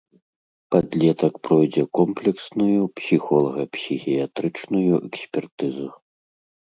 Падлетак пройдзе комплексную псіхолага-псіхіятрычную экспертызу.